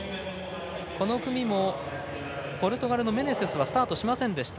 この組もポルトガルのメネセスはスタートしませんでした。